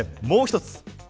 もう一つ。